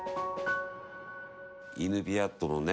イヌピアットのね